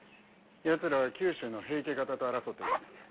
やつらは九州の平家方と争っています。